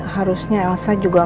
harusnya elsa juga gak akan